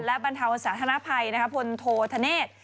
และปริศนาสาธารณภัยพลโททะเนศ